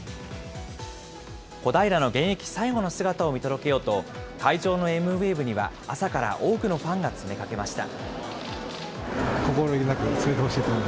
小平の現役最後の姿を見届けようと、会場のエムウェーブには、朝から多くのファンが詰めかけました。